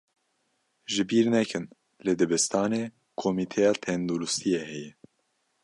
Ji bîr nekin, li dibistanê komîteya tenduristiyê heye.